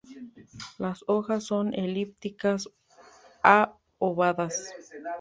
Las hojas son elípticas a ovadas.